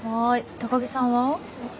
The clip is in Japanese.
高木さんは？